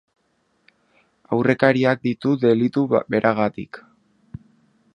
Aurrekariak ditu delitu beragatik.